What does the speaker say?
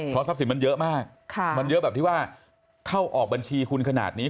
เพราะทรัพย์สินมันเยอะมากมันเยอะแบบที่ว่าเข้าออกบัญชีคุณขนาดนี้